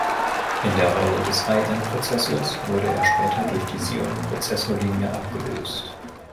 In der Rolle des High-End-Prozessors wurde er später durch die Xeon-Prozessorlinie abgelöst.